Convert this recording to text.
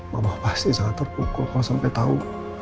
mama pasti sangat terpukul kalau sampai tahu